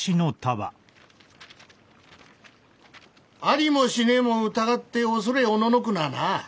ありもしねえもんを疑って恐れおののくのはな